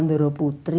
dari j rangers